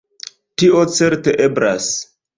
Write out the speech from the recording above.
Tio certe eblas.